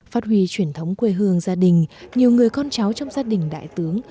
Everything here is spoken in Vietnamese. phát huy truyền thống quê hương gia đình nhiều người con cháu trong gia đình đại tướng